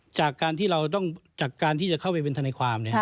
จากการที่จะเข้าไปเป็นธนาความ